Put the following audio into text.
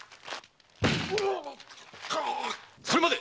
それまで！